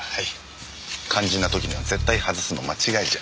肝心な時には絶対外すの間違いじゃ？